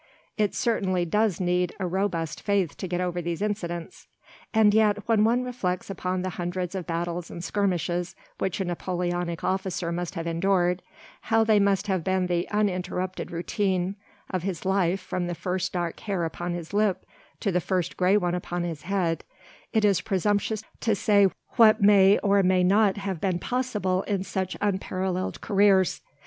It certainly does need a robust faith to get over these incidents. And yet, when one reflects upon the hundreds of battles and skirmishes which a Napoleonic officer must have endured—how they must have been the uninterrupted routine of his life from the first dark hair upon his lip to the first grey one upon his head, it is presumptuous to say what may or may not have been possible in such unparalleled careers.